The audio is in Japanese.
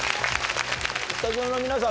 スタジオの皆さん